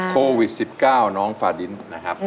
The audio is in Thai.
โควิด๑๙น้องฝาดินนะครับ